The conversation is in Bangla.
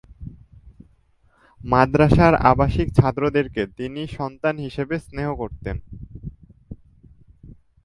মাদ্রাসার আবাসিক ছাত্রদেরকে তিনি সন্তান হিসেবে স্নেহ করতেন।